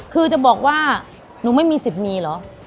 คือจะบอกว่าหนูไม่มีสิทธิ์มีเหรอ